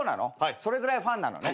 それぐらいファンなのね。